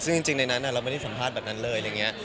ซึ่งจริงในนั้นเราไม่ได้สัมภาษณ์แบบนั้นเลย